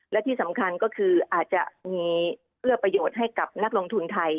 และที่สำคัญก็คืออาจจะมีเอื้อประโยชน์ให้กับนักลงทุนไทย